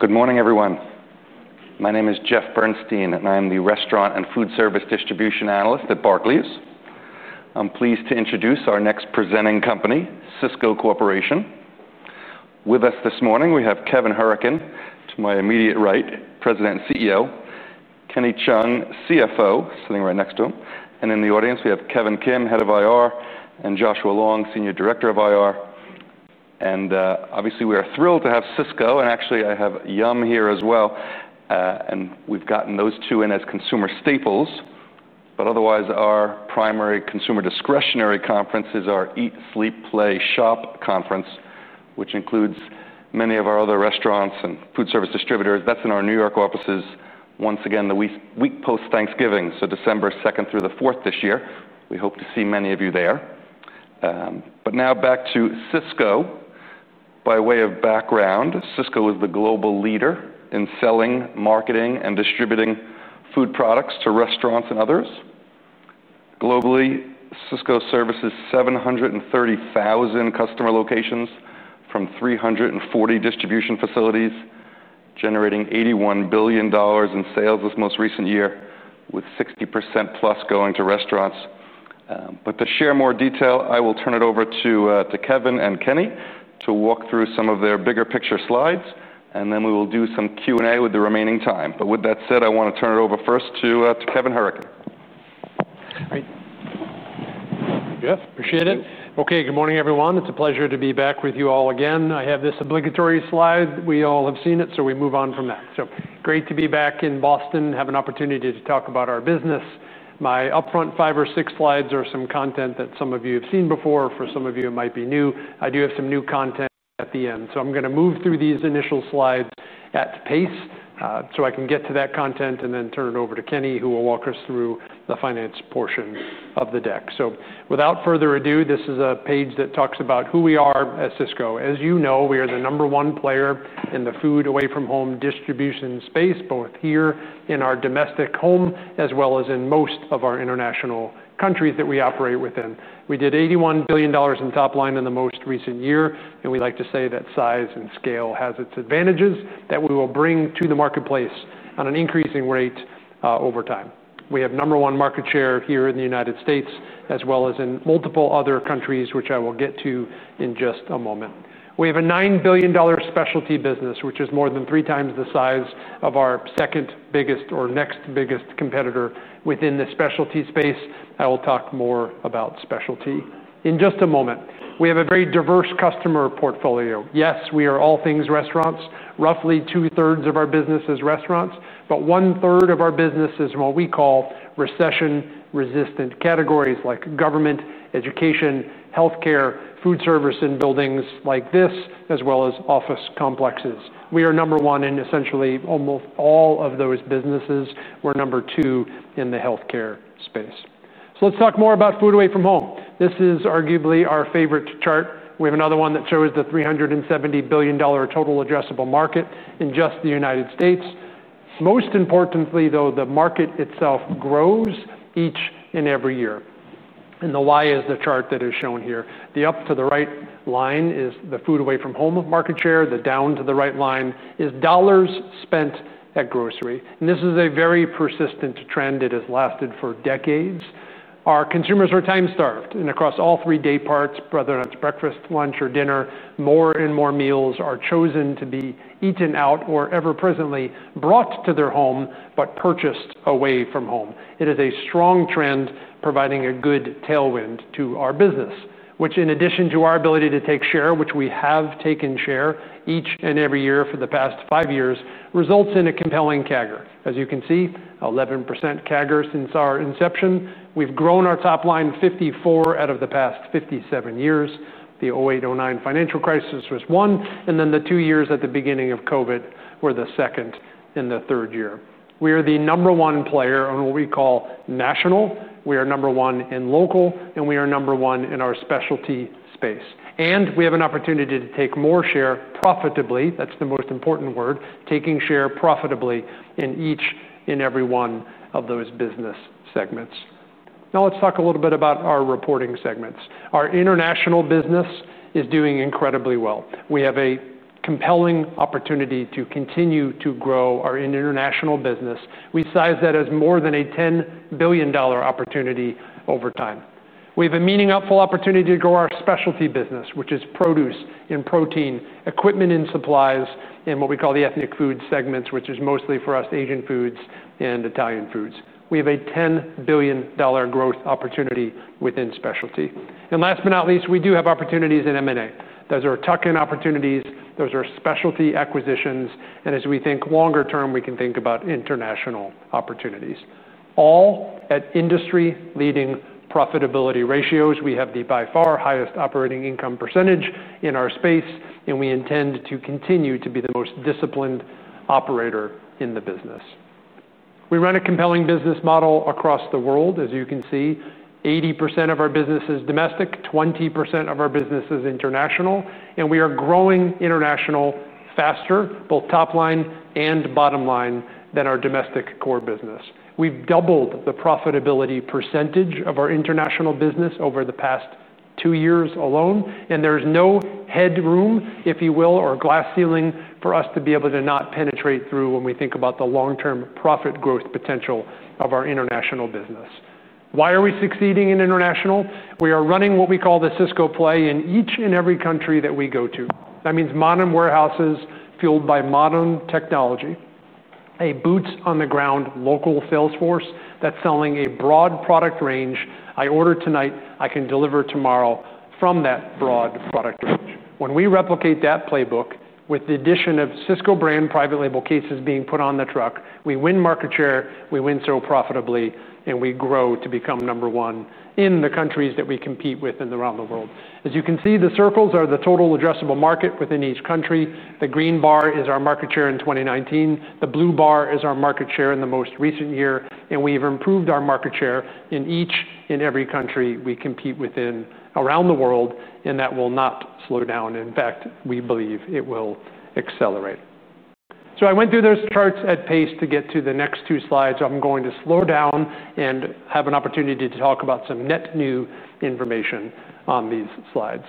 Good morning, everyone. My name is Jeff Bernstein, and I'm the restaurant and foodservice distribution analyst at Barclays. I'm pleased to introduce our next presenting company, Sysco Corporation. With us this morning, we have Kevin Hourican, to my immediate right, President and CEO, Kenny Cheung, CFO, sitting right next to him, and in the audience, we have Kevin Kim, head of IR, and Joshua Long, senior director of IR, and obviously, we are thrilled to have Sysco, and actually, I have Yum here as well, and we've gotten those two in as consumer staples, but otherwise, our primary consumer discretionary conference is our Eat, Sleep, Play, Shop conference, which includes many of our other restaurants and foodservice distributors. That's in our New York offices. Once again, the week post-Thanksgiving, so December 2nd through the 4th this year, we hope to see many of you there. But now, back to Sysco. By way of background, Sysco is the global leader in selling, marketing, and distributing food products to restaurants and others. Globally, Sysco services 730,000 customer locations from 340 distribution facilities, generating $81 billion in sales this most recent year, with 60% plus going to restaurants. But to share more detail, I will turn it over to Kevin and Kenny to walk through some of their bigger picture slides, and then we will do some Q&A with the remaining time. But with that said, I want to turn it over first to Kevin Hourican. Great. Yes, appreciate it. Okay, good morning, everyone. It's a pleasure to be back with you all again. I have this obligatory slide. We all have seen it, so we move on from that. So great to be back in Boston, have an opportunity to talk about our business. My upfront five or six slides are some content that some of you have seen before. For some of you, it might be new. I do have some new content at the end. So I'm going to move through these initial slides at pace so I can get to that content and then turn it over to Kenny, who will walk us through the finance portion of the deck. So without further ado, this is a page that talks about who we are at Sysco. As you know, we are the number one player in the food away-from-home distribution space, both here in our domestic home as well as in most of our international countries that we operate within. We did $81 billion in top line in the most recent year, and we like to say that size and scale has its advantages that we will bring to the marketplace on an increasing rate over time. We have number one market share here in the United States as well as in multiple other countries, which I will get to in just a moment. We have a $9 billion specialty business, which is more than three times the size of our second biggest or next biggest competitor within the specialty space. I will talk more about specialty in just a moment. We have a very diverse customer portfolio. Yes, we are all things restaurants. Roughly two-thirds of our business is restaurants, but one-third of our business is what we call recession-resistant categories like government, education, healthcare, food service in buildings like this, as well as office complexes. We are number one in essentially almost all of those businesses. We're number two in the healthcare space. So let's talk more about food away from home. This is arguably our favorite chart. We have another one that shows the $370 billion total addressable market in just the United States. Most importantly, though, the market itself grows each and every year. And the why is the chart that is shown here. The up to the right line is the food away from home market share. The down to the right line is dollars spent at grocery. And this is a very persistent trend. It has lasted for decades. Our consumers are time-starved. Across all three day parts, whether it's breakfast, lunch, or dinner, more and more meals are chosen to be eaten out or even presently brought to their home but purchased away from home. It is a strong trend, providing a good tailwind to our business, which, in addition to our ability to take share, which we have taken share each and every year for the past five years, results in a compelling CAGR. As you can see, 11% CAGR since our inception. We've grown our top line 54 out of the past 57 years. The 2008, 2009 financial crisis was one, and then the two years at the beginning of COVID were the second and the third year. We are the number one player on what we call national. We are number one in local, and we are number one in our specialty space. And we have an opportunity to take more share profitably. That's the most important word: taking share profitably in each and every one of those business segments. Now, let's talk a little bit about our reporting segments. Our international business is doing incredibly well. We have a compelling opportunity to continue to grow our international business. We size that as more than a $10 billion opportunity over time. We have a meaningful opportunity to grow our specialty business, which is produce and protein, equipment and supplies, and what we call the ethnic food segments, which is mostly for us Asian foods and Italian foods. We have a $10 billion growth opportunity within specialty. And last but not least, we do have opportunities in M&A. Those are tuck-in opportunities. Those are specialty acquisitions. And as we think longer term, we can think about international opportunities. All at industry-leading profitability ratios. We have the by far highest operating income percentage in our space, and we intend to continue to be the most disciplined operator in the business. We run a compelling business model across the world, as you can see. 80% of our business is domestic, 20% of our business is international, and we are growing international faster, both top line and bottom line, than our domestic core business. We've doubled the profitability percentage of our international business over the past two years alone, and there's no headroom, if you will, or glass ceiling for us to be able to not penetrate through when we think about the long-term profit growth potential of our international business. Why are we succeeding in international? We are running what we call the Sysco Play in each and every country that we go to. That means modern warehouses fueled by modern technology, a boots-on-the-ground local sales force that's selling a broad product range. I order tonight, I can deliver tomorrow from that broad product range. When we replicate that playbook, with the addition of Sysco Brand private label cases being put on the truck, we win market share, we win so profitably, and we grow to become number one in the countries that we compete with around the world. As you can see, the circles are the total addressable market within each country. The green bar is our market share in 2019. The blue bar is our market share in the most recent year, and we have improved our market share in each and every country we compete within around the world, and that will not slow down. In fact, we believe it will accelerate. So I went through those charts at pace to get to the next two slides. I'm going to slow down and have an opportunity to talk about some net new information on these slides.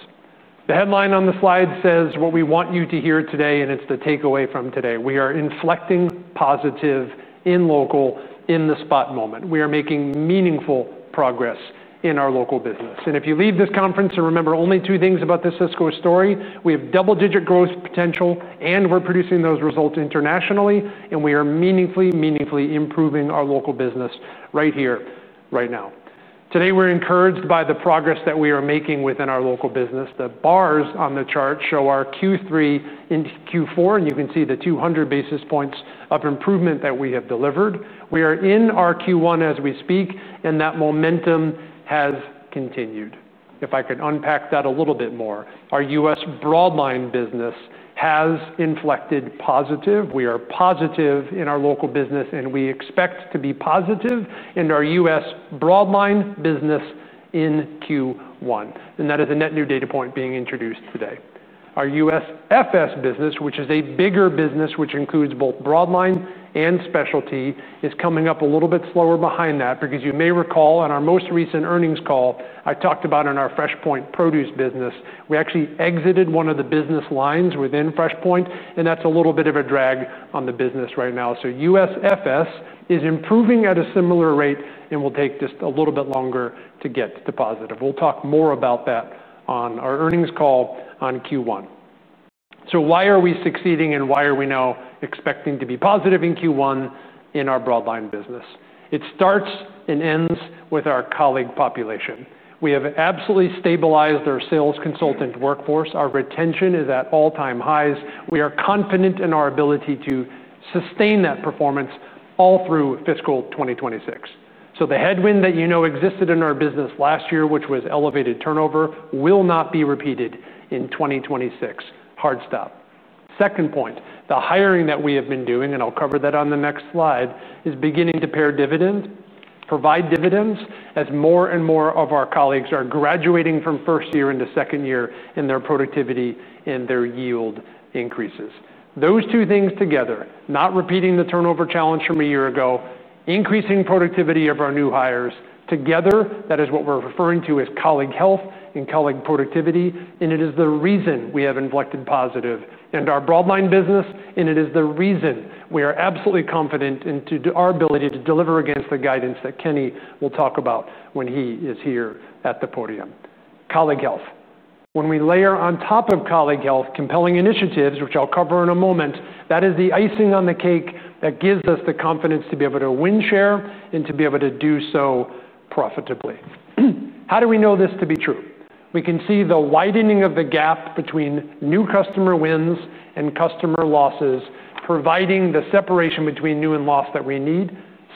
The headline on the slide says what we want you to hear today, and it's the takeaway from today. We are inflecting positive in local in the spot moment. We are making meaningful progress in our local business. And if you leave this conference and remember only two things about the Sysco story: we have double-digit growth potential, and we're producing those results internationally, and we are meaningfully, meaningfully improving our local business right here, right now. Today, we're encouraged by the progress that we are making within our local business. The bars on the chart show our Q3 into Q4, and you can see the 200 basis points of improvement that we have delivered. We are in our Q1 as we speak, and that momentum has continued. If I could unpack that a little bit more, our U.S. Broadline business has inflected positive. We are positive in our local business, and we expect to be positive in our U.S. Broadline business in Q1. That is a net new data point being introduced today. Our U.S. FS business, which is a bigger business, which includes both broadline and specialty, is coming up a little bit slower behind that because you may recall on our most recent earnings call I talked about in our FreshPoint produce business, we actually exited one of the business lines within FreshPoint, and that's a little bit of a drag on the business right now. U.S. FS is improving at a similar rate and will take just a little bit longer to get to positive. We'll talk more about that on our earnings call on Q1. So why are we succeeding and why are we now expecting to be positive in Q1 in our broadline business? It starts and ends with our colleague population. We have absolutely stabilized our sales consultant workforce. Our retention is at all-time highs. We are confident in our ability to sustain that performance all through fiscal 2026. So the headwind that you know existed in our business last year, which was elevated turnover, will not be repeated in 2026. Hard stop. Second point, the hiring that we have been doing, and I'll cover that on the next slide, is beginning to pay our dividend, provide dividends as more and more of our colleagues are graduating from first year into second year in their productivity and their yield increases. Those two things together, not repeating the turnover challenge from a year ago, increasing productivity of our new hires, together, that is what we're referring to as colleague health and colleague productivity, and it is the reason we have inflected positive, and our Broadline business, and it is the reason we are absolutely confident in our ability to deliver against the guidance that Kenny will talk about when he is here at the podium. Colleague health. When we layer on top of colleague health, compelling initiatives, which I'll cover in a moment, that is the icing on the cake that gives us the confidence to be able to win share and to be able to do so profitably. How do we know this to be true? We can see the widening of the gap between new customer wins and customer losses, providing the separation between new and lost that we need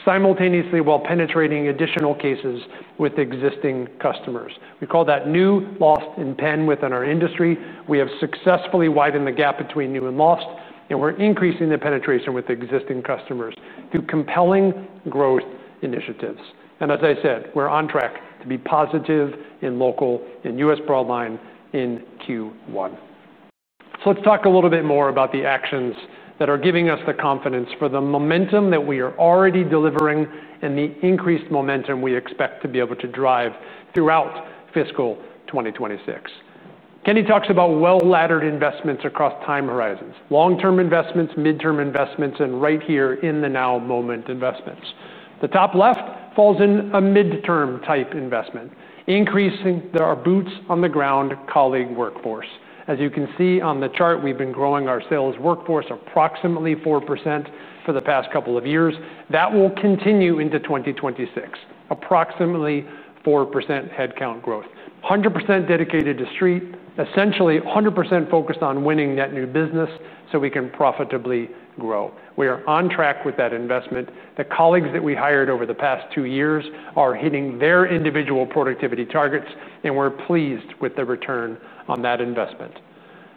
simultaneously while penetrating additional cases with existing customers. We call that new, lost, and pen within our industry. We have successfully widened the gap between new and lost, and we're increasing the penetration with existing customers through compelling growth initiatives. And as I said, we're on track to be positive in local and U.S. Broadline in Q1. So let's talk a little bit more about the actions that are giving us the confidence for the momentum that we are already delivering and the increased momentum we expect to be able to drive throughout fiscal 2026. Kenny talks about well-laddered investments across time horizons: long-term investments, midterm investments, and right here in the now moment investments. The top left falls in a midterm type investment, increasing our boots-on-the-ground colleague workforce. As you can see on the chart, we've been growing our sales workforce approximately 4% for the past couple of years. That will continue into 2026, approximately 4% headcount growth, 100% dedicated to street, essentially 100% focused on winning that new business so we can profitably grow. We are on track with that investment. The colleagues that we hired over the past two years are hitting their individual productivity targets, and we're pleased with the return on that investment.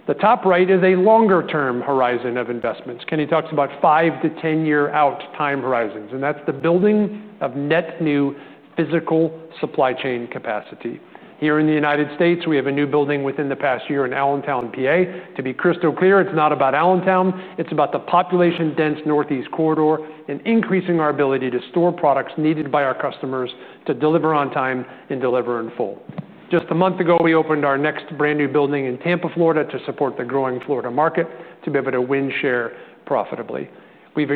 The top right is a longer-term horizon of investments. Kenny talks about five to 10-year out time horizons, and that's the building of net new physical supply chain capacity. Here in the United States, we have a new building within the past year in Allentown, PA. To be crystal clear, it's not about Allentown. It's about the population-dense northeast corridor and increasing our ability to store products needed by our customers to deliver on time and deliver in full. Just a month ago, we opened our next brand new building in Tampa, Florida, to support the growing Florida market to be able to win share profitably. We've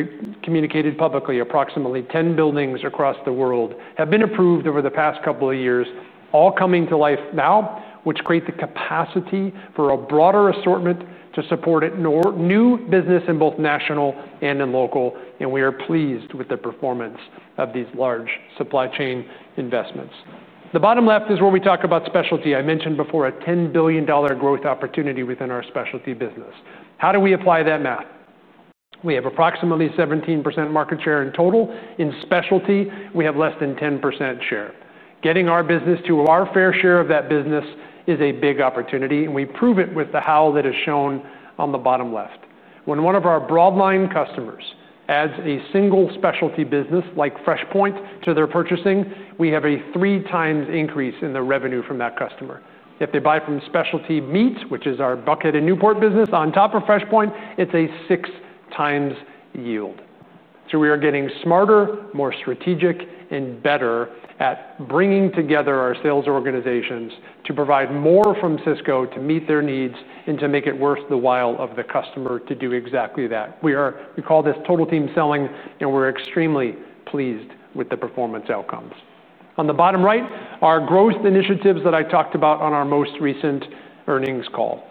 communicated publicly. Approximately 10 buildings across the world have been approved over the past couple of years, all coming to life now, which create the capacity for a broader assortment to support new business in both national and in local, and we are pleased with the performance of these large supply chain investments. The bottom left is where we talk about specialty. I mentioned before a $10 billion growth opportunity within our specialty business. How do we apply that math? We have approximately 17% market share in total. In specialty, we have less than 10% share. Getting our business to our fair share of that business is a big opportunity, and we prove it with the how that is shown on the bottom left. When one of our Broadline customers adds a single Specialty business like FreshPoint to their purchasing, we have a three-times increase in the revenue from that customer. If they buy from Specialty Meat, which is our Buckhead and Newport business, on top of FreshPoint, it's a six-times yield. So we are getting smarter, more strategic, and better at bringing together our sales organizations to provide more from Sysco to meet their needs and to make it worth the while of the customer to do exactly that. We call this total team selling, and we're extremely pleased with the performance outcomes. On the bottom right, our growth initiatives that I talked about on our most recent earnings call.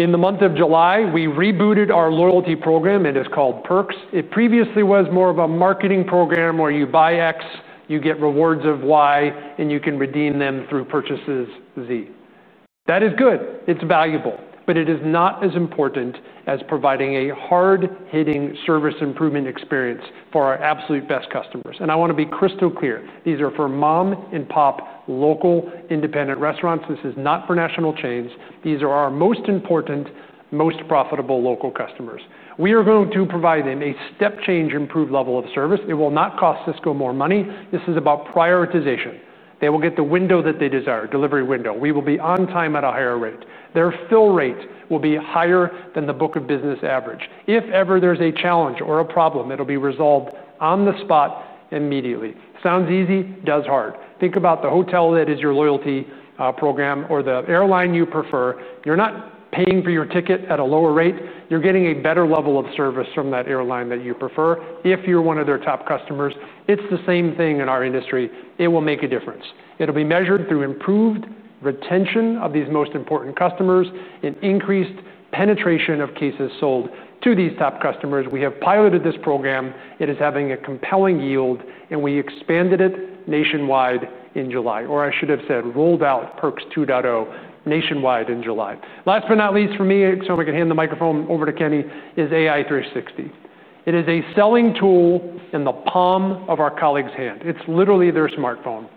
In the month of July, we rebooted our loyalty program, and it's called Perks. It previously was more of a marketing program where you buy X, you get rewards of Y, and you can redeem them through purchases Z. That is good. It's valuable, but it is not as important as providing a hard-hitting service improvement experience for our absolute best customers, and I want to be crystal clear. These are for mom-and-pop local independent restaurants. This is not for national chains. These are our most important, most profitable local customers. We are going to provide them a step-change improved level of service. It will not cost Sysco more money. This is about prioritization. They will get the window that they desire, delivery window. We will be on time at a higher rate. Their fill rate will be higher than the book of business average. If ever there's a challenge or a problem, it'll be resolved on the spot immediately. Sounds easy, does hard. Think about the hotel that is your loyalty program or the airline you prefer. You're not paying for your ticket at a lower rate. You're getting a better level of service from that airline that you prefer. If you're one of their top customers, it's the same thing in our industry. It will make a difference. It'll be measured through improved retention of these most important customers and increased penetration of cases sold to these top customers. We have piloted this program. It is having a compelling yield, and we expanded it nationwide in July, or I should have said rolled out Perks 2.0 nationwide in July. Last but not least for me, so I can hand the microphone over to Kenny, is AI 360. It is a selling tool in the palm of our colleague's hand. It's literally their smartphone.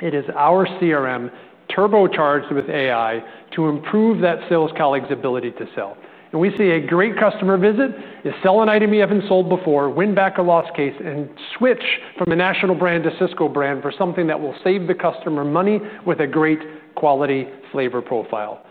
It is our CRM turbocharged with AI to improve that sales colleague's ability to sell. We see a great customer visit, you sell an item you haven't sold before, win back a lost case, and switch from a national brand to Sysco Brand for something that will save the customer money with a great quality flavor profile.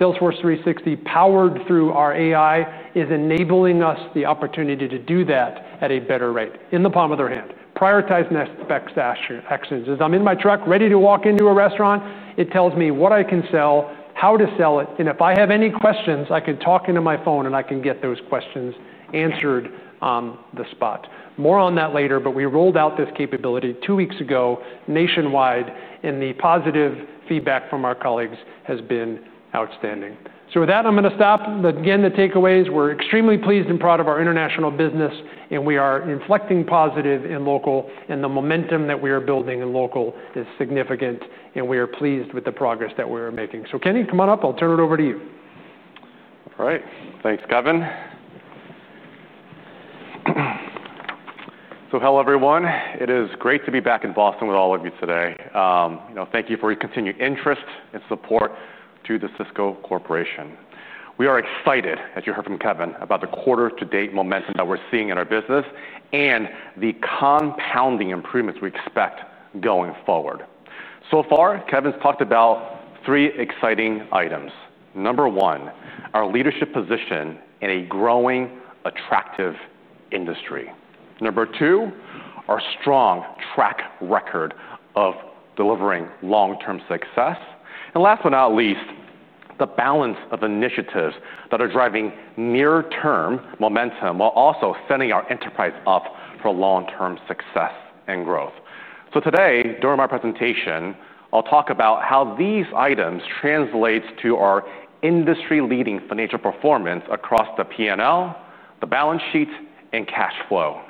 Salesforce 360, powered through our AI, is enabling us the opportunity to do that at a better rate. In the palm of their hand, prioritize next best actions. As I'm in my truck ready to walk into a restaurant, it tells me what I can sell, how to sell it, and if I have any questions, I can talk into my phone and I can get those questions answered on the spot. More on that later, but we rolled out this capability two weeks ago nationwide, and the positive feedback from our colleagues has been outstanding. So with that, I'm going to stop. Again, the takeaways, we're extremely pleased and proud of our international business, and we are inflecting positive in local, and the momentum that we are building in local is significant, and we are pleased with the progress that we are making. So Kenny, come on up. I'll turn it over to you. All right. Thanks, Kevin, so hello, everyone. It is great to be back in Boston with all of you today. Thank you for your continued interest and support to the Sysco Corporation. We are excited, as you heard from Kevin, about the quarter-to-date momentum that we're seeing in our business and the compounding improvements we expect going forward, so far, Kevin's talked about three exciting items. Number one, our leadership position in a growing, attractive industry. Number two, our strong track record of delivering long-term success, and last but not least, the balance of initiatives that are driving near-term momentum while also setting our enterprise up for long-term success and growth, so today, during my presentation, I'll talk about how these items translate to our industry-leading financial performance across the P&L, the balance sheet, and cash flow,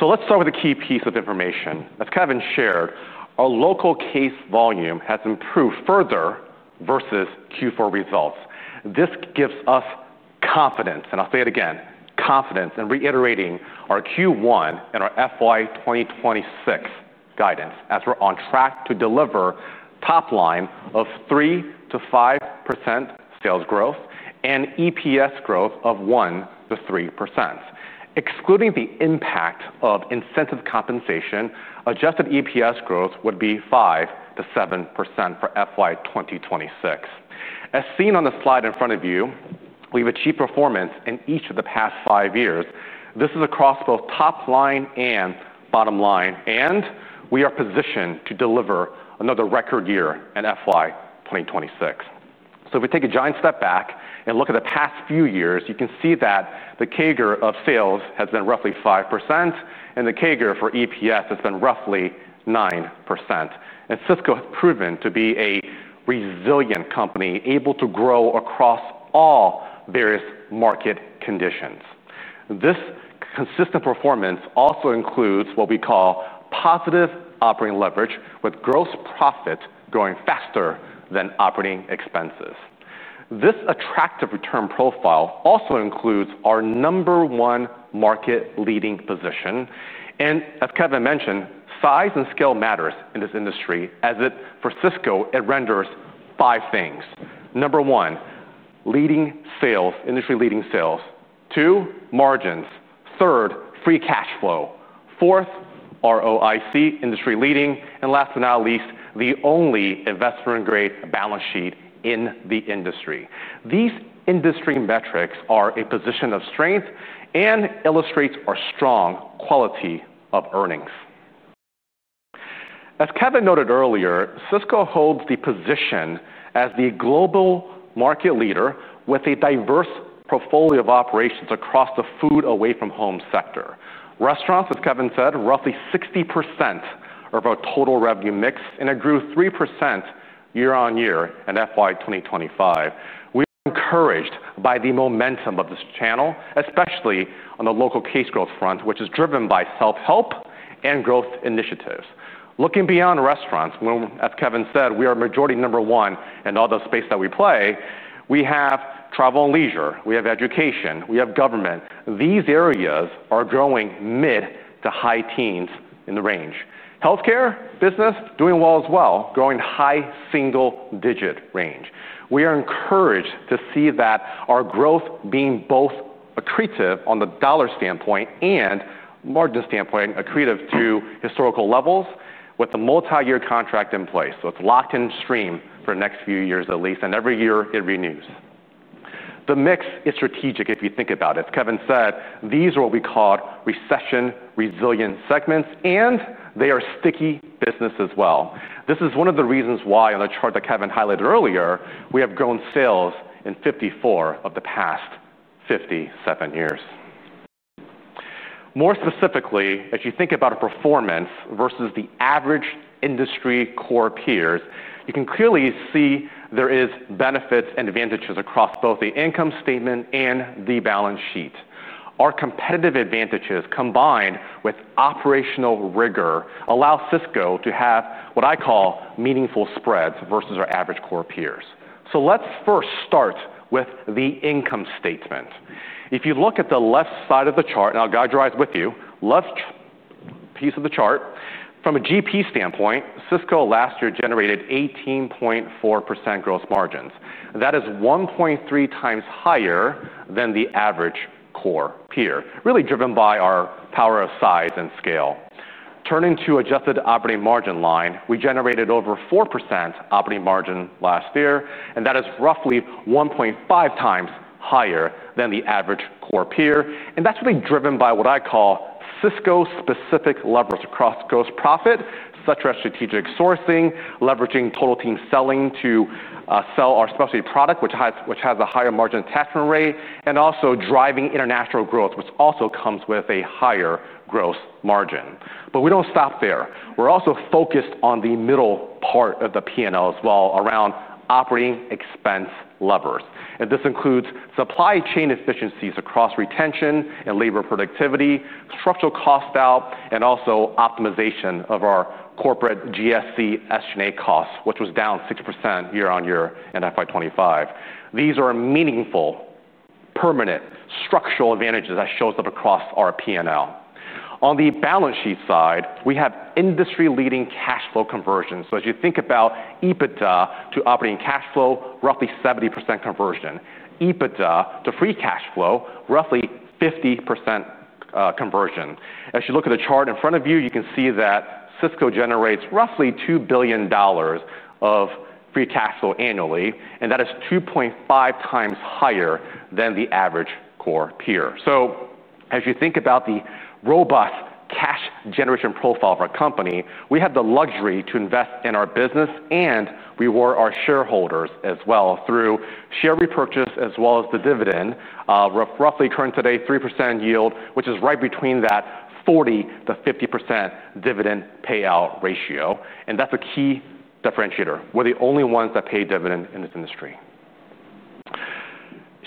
so let's start with a key piece of information that's Kevin shared. Our local case volume has improved further versus Q4 results. This gives us confidence, and I'll say it again, confidence in reiterating our Q1 and our FY 2026 guidance as we're on track to deliver top line of 3%-5% sales growth and EPS growth of 1%-3%. Excluding the impact of incentive compensation, adjusted EPS growth would be 5%-7% for FY 2026. As seen on the slide in front of you, we've achieved performance in each of the past five years. This is across both top line and bottom line, and we are positioned to deliver another record year in FY 2026. So if we take a giant step back and look at the past few years, you can see that the CAGR of sales has been roughly 5%, and the CAGR for EPS has been roughly 9%. And Sysco has proven to be a resilient company able to grow across all various market conditions. This consistent performance also includes what we call positive operating leverage, with gross profit growing faster than operating expenses. This attractive return profile also includes our number one market-leading position. And as Kevin mentioned, size and scale matters in this industry as it for Sysco, it renders five things. Number one, leading sales, industry-leading sales. Two, margins. Third, free cash flow. Fourth, ROIC, industry-leading. And last but not least, the only investment-grade balance sheet in the industry. These industry metrics are a position of strength and illustrate our strong quality of earnings. As Kevin noted earlier, Sysco holds the position as the global market leader with a diverse portfolio of operations across the food away from home sector. Restaurants, as Kevin said, roughly 60% of our total revenue mix, and it grew 3% year-on-year in FY 2025. We are encouraged by the momentum of this channel, especially on the local case growth front, which is driven by self-help and growth initiatives. Looking beyond restaurants, as Kevin said, we are majority number one in all the spaces that we play. We have travel and leisure. We have education. We have government. These areas are growing mid to high teens in the range. Healthcare, business, doing well as well, growing high single-digit range. We are encouraged to see that our growth being both accretive on the dollar standpoint and margin standpoint, accretive to historical levels with the multi-year contract in place. So it's locked in stream for the next few years at least, and every year it renews. The mix is strategic if you think about it. As Kevin said, these are what we call recession-resilient segments, and they are sticky business as well. This is one of the reasons why on the chart that Kevin highlighted earlier, we have grown sales in 54 of the past 57 years. More specifically, as you think about performance versus the average industry core peers, you can clearly see there are benefits and advantages across both the income statement and the balance sheet. Our competitive advantages combined with operational rigor allow Sysco to have what I call meaningful spreads versus our average core peers. So let's first start with the income statement. If you look at the left side of the chart, and I'll guide your eyes with you, left piece of the chart, from a GP standpoint, Sysco last year generated 18.4% gross margins. That is 1.3 times higher than the average core peer, really driven by our power of size and scale. Turning to adjusted operating margin line, we generated over 4% operating margin last year, and that is roughly 1.5 times higher than the average core peer, and that's really driven by what I call Sysco-specific leverage across gross profit, such as strategic sourcing, leveraging total team selling to sell our specialty product, which has a higher margin attachment rate, and also driving international growth, which also comes with a higher gross margin, but we don't stop there. We're also focused on the middle part of the P&L as well, around operating expense levers, and this includes supply chain efficiencies across retention and labor productivity, structural cost out, and also optimization of our corporate SG&A costs, which was down 6% year-on-year in FY 2025. These are meaningful, permanent structural advantages that show up across our P&L. On the balance sheet side, we have industry-leading cash flow conversion, so as you think about EBITDA to operating cash flow, roughly 70% conversion. EBITDA to free cash flow, roughly 50% conversion. As you look at the chart in front of you, you can see that Sysco generates roughly $2 billion of free cash flow annually, and that is 2.5 times higher than the average core peer, so as you think about the robust cash generation profile of our company, we have the luxury to invest in our business, and we reward our shareholders as well through share repurchase as well as the dividend. We're roughly current today, 3% yield, which is right between that 40%-50% dividend payout ratio, and that's a key differentiator. We're the only ones that pay dividend in this industry.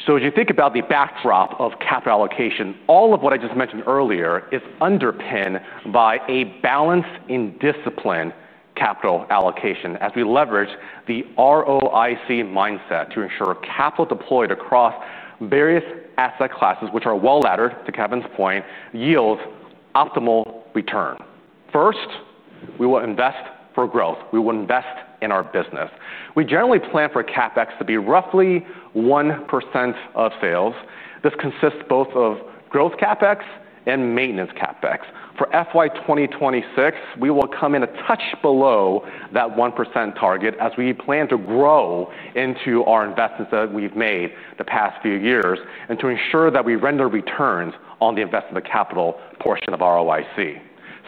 As you think about the backdrop of capital allocation, all of what I just mentioned earlier is underpinned by balanced and disciplined capital allocation as we leverage the ROIC mindset to ensure capital deployed across various asset classes, which are well-laddered to Kevin's point, yields optimal return. First, we will invest for growth. We will invest in our business. We generally plan for CapEx to be roughly 1% of sales. This consists both of growth CapEx and maintenance CapEx. For FY 2026, we will come in a touch below that 1% target as we plan to grow into our investments that we've made the past few years and to ensure that we render returns on the investment of capital portion of ROIC.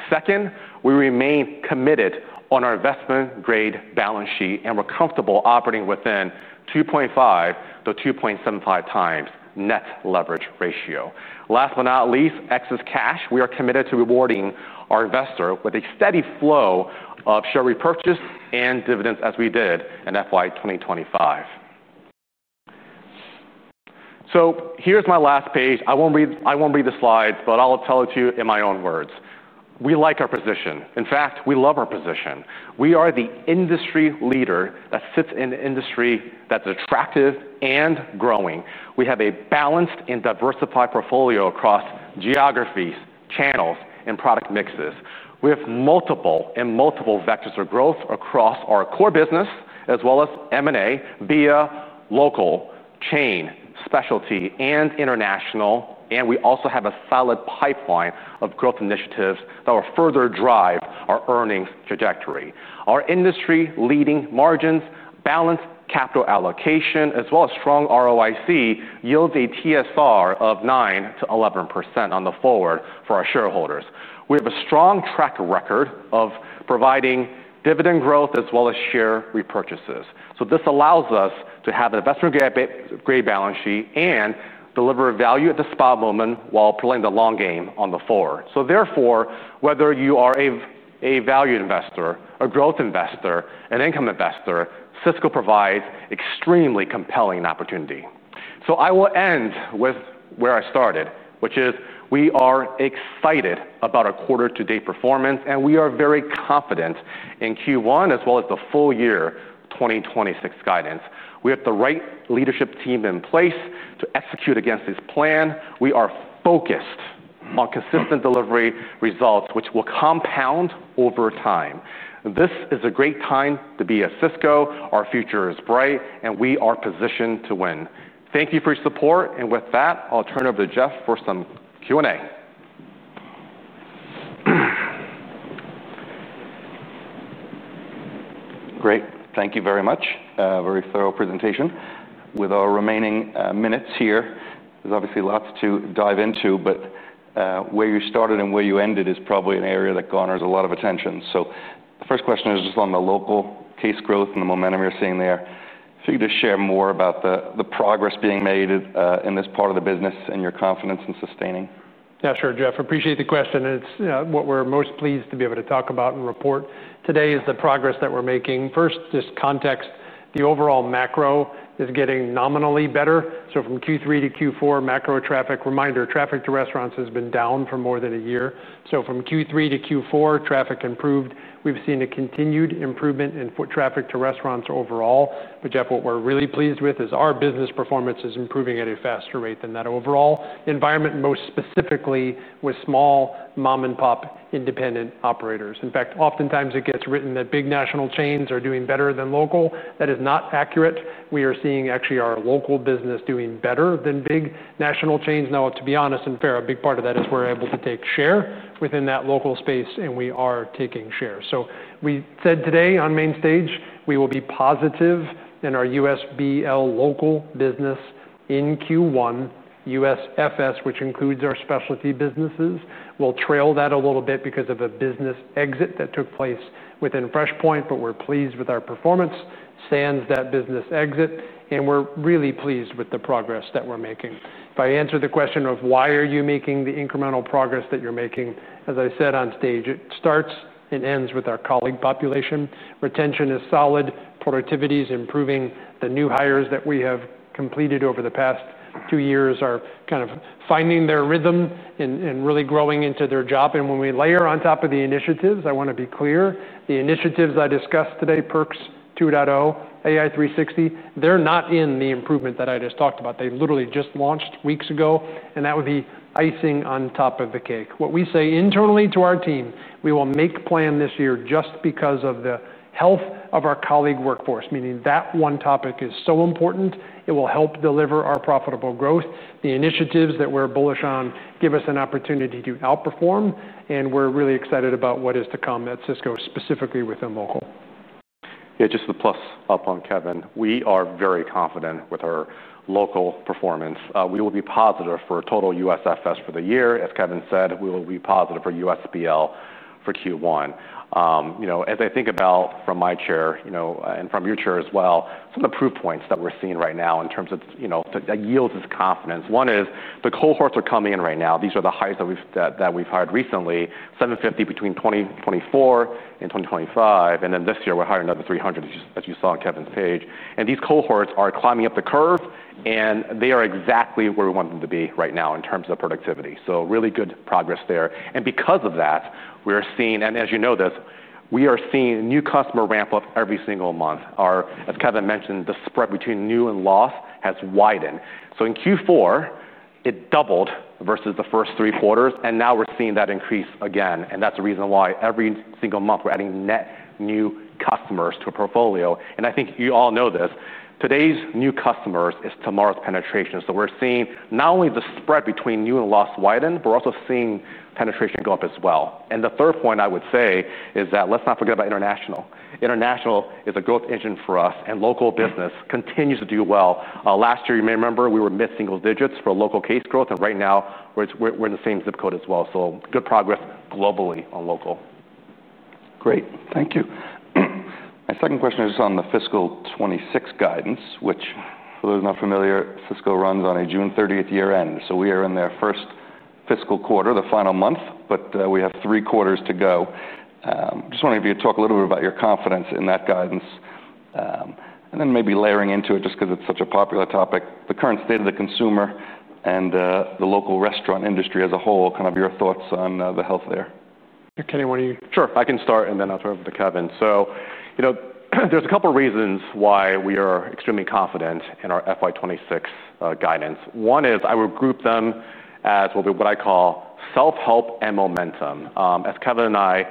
Second, we remain committed to our investment-grade balance sheet and we're comfortable operating within 2.5-2.75 times net leverage ratio. Last but not least, excess cash, we are committed to rewarding our investors with a steady flow of share repurchase and dividends as we did in FY 2025. So here's my last page. I won't read the slides, but I'll tell it to you in my own words. We like our position. In fact, we love our position. We are the industry leader that sits in an industry that's attractive and growing. We have a balanced and diversified portfolio across geographies, channels, and product mixes. We have multiple vectors of growth across our core business as well as M&A, B&I, local, chain, specialty, and international, and we also have a solid pipeline of growth initiatives that will further drive our earnings trajectory. Our industry-leading margins, balanced capital allocation, as well as strong ROIC yields a TSR of 9%-11% going forward for our shareholders. We have a strong track record of providing dividend growth as well as share repurchases. So this allows us to have an investment-grade balance sheet and deliver value at the spot moment while playing the long game on the forward. So therefore, whether you are a value investor, a growth investor, an income investor, Sysco provides extremely compelling opportunity. So I will end with where I started, which is we are excited about our quarter-to-date performance, and we are very confident in Q1 as well as the full year 2026 guidance. We have the right leadership team in place to execute against this plan. We are focused on consistent delivery results, which will compound over time. This is a great time to be at Sysco. Our future is bright, and we are positioned to win. Thank you for your support. With that, I'll turn it over to Jeff for some Q&A. Great. Thank you very much. Very thorough presentation. With our remaining minutes here, there's obviously lots to dive into, but where you started and where you ended is probably an area that garners a lot of attention. So the first question is just on the local case growth and the momentum you're seeing there. If you could just share more about the progress being made in this part of the business and your confidence in sustaining. Yeah, sure, Jeff. Appreciate the question. It's what we're most pleased to be able to talk about and report today is the progress that we're making. First, just context. The overall macro is getting nominally better. So from Q3 to Q4, macro traffic, reminder, traffic to restaurants has been down for more than a year. So from Q3 to Q4, traffic improved. We've seen a continued improvement in foot traffic to restaurants overall. But Jeff, what we're really pleased with is our business performance is improving at a faster rate than that overall environment, most specifically with small mom-and-pop independent operators. In fact, oftentimes it gets written that big national chains are doing better than local. That is not accurate. We are seeing actually our local business doing better than big national chains. Now, to be honest and fair, a big part of that is we're able to take share within that local space, and we are taking share. So we said today on main stage, we will be positive in our U.S. BL local business in Q1. U.S. FS, which includes our specialty businesses, will trail that a little bit because of a business exit that took place within FreshPoint, but we're pleased with our performance, sans that business exit, and we're really pleased with the progress that we're making. If I answer the question of why are you making the incremental progress that you're making, as I said on stage, it starts and ends with our colleague population. Retention is solid. Productivity is improving. The new hires that we have completed over the past two years are kind of finding their rhythm and really growing into their job. And when we layer on top of the initiatives, I want to be clear. The initiatives I discussed today, Perks 2.0, AI 360, they're not in the improvement that I just talked about. They literally just launched weeks ago, and that would be icing on top of the cake. What we say internally to our team, we will make a plan this year just because of the health of our colleague workforce, meaning that one topic is so important. It will help deliver our profitable growth. The initiatives that we're bullish on give us an opportunity to outperform, and we're really excited about what is to come at Sysco, specifically within local. Yeah, just the plus up on Kevin. We are very confident with our local performance. We will be positive for total U.S. FS for the year. As Kevin said, we will be positive for U.S. BL for Q1. As I think about from my chair and from your chair as well, some of the proof points that we're seeing right now in terms of that yields is confidence. One is the cohorts are coming in right now. These are the hires that we've hired recently, 750 between 2024 and 2025. And then this year, we're hiring another 300, as you saw on Kevin's page. And these cohorts are climbing up the curve, and they are exactly where we want them to be right now in terms of productivity. So really good progress there. Because of that, we are seeing, and as you know this, we are seeing new customer ramp up every single month. As Kevin mentioned, the spread between new and lost has widened. So in Q4, it doubled versus the first three quarters. And now we're seeing that increase again. And that's the reason why every single month we're adding net new customers to a portfolio. And I think you all know this. Today's new customers is tomorrow's penetration. So we're seeing not only the spread between new and lost widen, but we're also seeing penetration go up as well. And the third point I would say is that let's not forget about international. International is a growth engine for us, and local business continues to do well. Last year, you may remember we were missing those digits for local case growth. Right now, we're in the same zip code as well. Good progress globally on local. Great. Thank you. My second question is on the fiscal 2026 guidance, which for those not familiar, Sysco runs on a June 30th year-end. So we are in their first fiscal quarter, the final month, but we have three quarters to go. Just wanted you to talk a little bit about your confidence in that guidance. And then maybe layering into it just because it's such a popular topic, the current state of the consumer and the local restaurant industry as a whole, kind of your thoughts on the health there. Yeah, Kenny, why don't you? Sure. I can start, and then I'll turn it over to Kevin. So there's a couple of reasons why we are extremely confident in our FY 26 guidance. One is I would group them as will be what I call self-help and momentum. As Kevin and I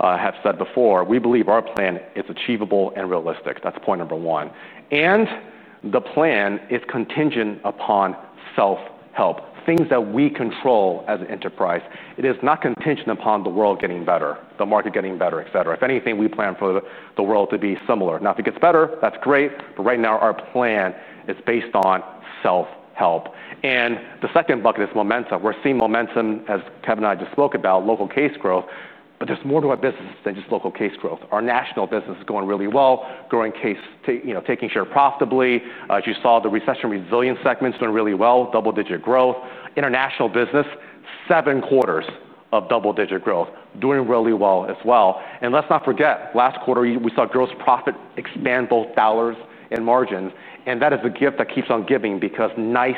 have said before, we believe our plan is achievable and realistic. That's point number one. And the plan is contingent upon self-help, things that we control as an enterprise. It is not contingent upon the world getting better, the market getting better, etc. If anything, we plan for the world to be similar. Now, if it gets better, that's great. But right now, our plan is based on self-help. And the second bucket is momentum. We're seeing momentum, as Kevin and I just spoke about, local case growth. But there's more to our business than just local case growth. Our national business is going really well, growing case, taking share profitably. As you saw, the recession resilience segment is doing really well, double-digit growth. International business, seven quarters of double-digit growth, doing really well as well, and let's not forget, last quarter, we saw gross profit expand both dollars and margins, and that is a gift that keeps on giving because nice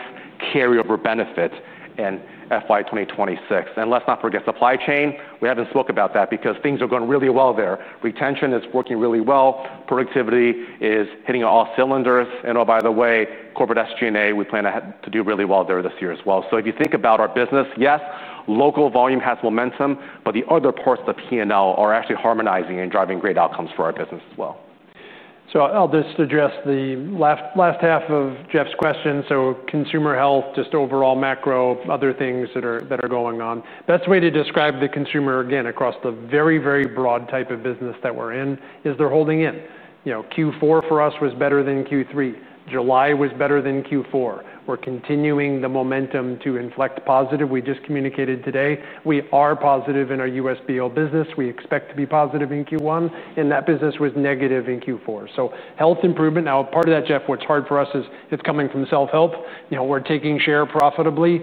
carryover benefit in FY 2026, and let's not forget supply chain. We haven't spoke about that because things are going really well there. Retention is working really well. Productivity is hitting all cylinders, and oh, by the way, corporate SG&A, we plan to do really well there this year as well, so if you think about our business, yes, local volume has momentum, but the other parts of the P&L are actually harmonizing and driving great outcomes for our business as well. So I'll just address the last half of Jeff's question. So consumer health, just overall macro, other things that are going on. Best way to describe the consumer again across the very, very broad type of business that we're in is they're holding in. Q4 for us was better than Q3. July was better than Q4. We're continuing the momentum to inflect positive. We just communicated today. We are positive in our U.S. BL business. We expect to be positive in Q1. And that business was negative in Q4. So health improvement. Now, part of that, Jeff, what's hard for us is it's coming from self-help. We're taking share profitably.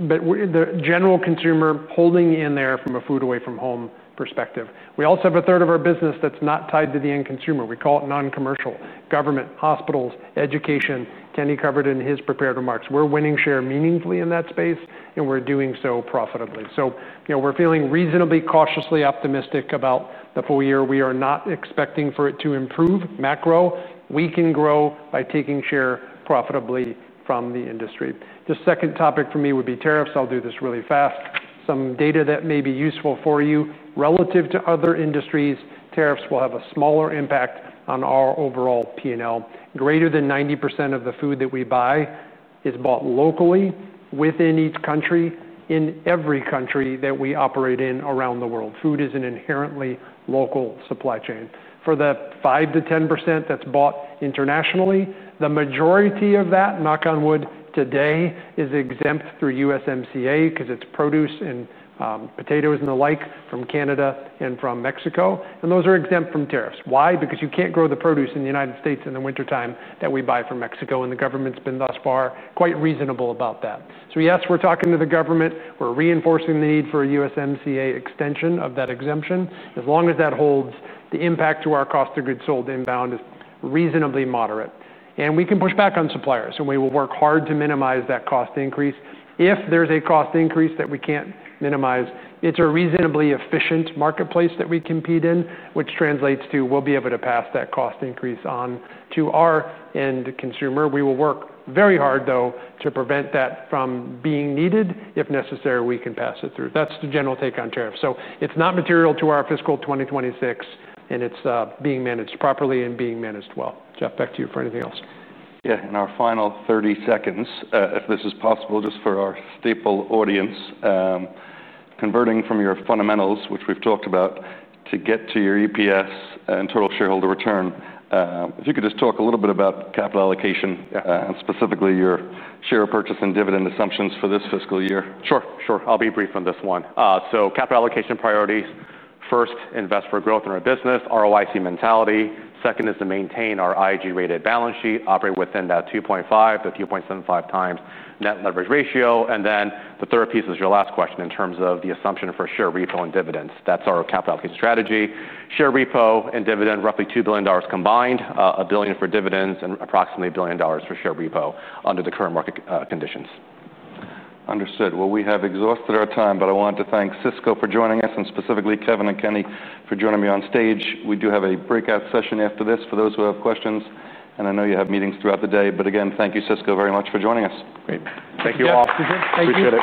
But the general consumer holding in there from a food away from home perspective. We also have a third of our business that's not tied to the end consumer. We call it non-commercial, government, hospitals, education. Kenny covered in his prepared remarks. We're winning share meaningfully in that space, and we're doing so profitably. So we're feeling reasonably cautiously optimistic about the full year. We are not expecting for it to improve, macro. We can grow by taking share profitably from the industry. The second topic for me would be tariffs. I'll do this really fast. Some data that may be useful for you. Relative to other industries, tariffs will have a smaller impact on our overall P&L. Greater than 90% of the food that we buy is bought locally within each country, in every country that we operate in around the world. Food is an inherently local supply chain. For the 5%-10% that's bought internationally, the majority of that, knock on wood, today is exempt through U.S. MCA because it's produce and potatoes and the like from Canada and from Mexico, and those are exempt from tariffs. Why? Because you can't grow the produce in the United States in the wintertime that we buy from Mexico, and the government's been thus far quite reasonable about that, so yes, we're talking to the government. We're reinforcing the need for a USMCA extension of that exemption. As long as that holds, the impact to our cost of goods sold inbound is reasonably moderate, and we can push back on suppliers, and we will work hard to minimize that cost increase. If there's a cost increase that we can't minimize, it's a reasonably efficient marketplace that we compete in, which translates to we'll be able to pass that cost increase on to our end consumer. We will work very hard, though, to prevent that from being needed. If necessary, we can pass it through. That's the general take on tariffs. So it's not material to our fiscal 2026, and it's being managed properly and being managed well. Jeff, back to you for anything else. Yeah, in our final 30 seconds, if this is possible, just for our staple audience, converting from your fundamentals, which we've talked about, to get to your EPS and total shareholder return, if you could just talk a little bit about capital allocation and specifically your share purchase and dividend assumptions for this fiscal year. Sure, sure. I'll be brief on this one, so capital allocation priorities. First, invest for growth in our business, ROIC mentality. Second is to maintain our IG-rated balance sheet, operate within that 2.5-3.75 times net leverage ratio, and then the third piece is your last question in terms of the assumption for share repo and dividends. That's our capital allocation strategy. Share repo and dividend, roughly $2 billion combined, $1 billion for dividends, and approximately $1 billion for share repo under the current market conditions. Understood. We have exhausted our time, but I wanted to thank Sysco for joining us and specifically Kevin and Kenny for joining me on stage. We do have a breakout session after this for those who have questions. I know you have meetings throughout the day. Again, thank you, Sysco, very much for joining us. Great. Thank you. Thank you.